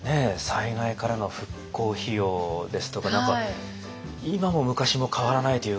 災害からの復興費用ですとか何か今も昔も変わらないというか。